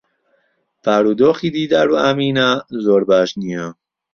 بارودۆخی دیدار و ئامینە زۆر باش نییە.